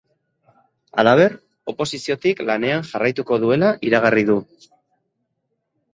Halaber, oposiziotik lanean jarraituko duela iragarri du.